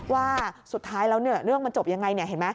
ว่าสุดท้ายแล้วเรื่องมันจบอย่างไร